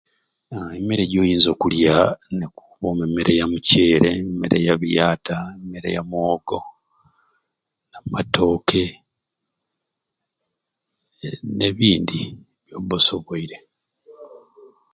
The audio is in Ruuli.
Aahh emeere joyinza okulya nekukuma emeere ya muceere, emeere ya biyata, emeere ya mwoogo namatoke ee nebindi byoba osoboire.